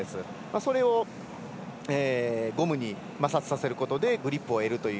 それをゴムに摩擦させることでグリップを得るという。